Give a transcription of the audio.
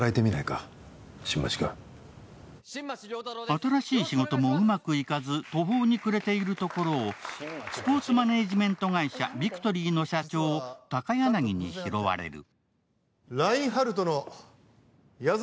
新しい仕事もうまくいかず途方に暮れているところをスポーツマネジメント会社・ビクトリーの社長、高柳に拾われる。